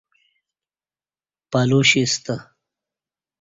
پلوشیستہ